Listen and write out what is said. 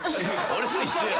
俺と一緒なんや。